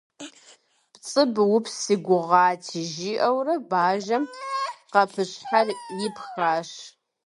Пцӏы быупс си гугъати, - жиӏэурэ бажэм къэпыщхьэр ипхащ.